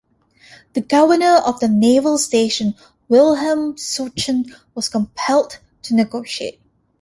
The governor of the naval station, Wilhelm Souchon, was compelled to negotiate.